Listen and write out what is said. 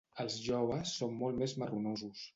Els joves són molt més marronosos.